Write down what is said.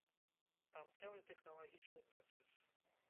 Там цэлы тэхналагічны працэс.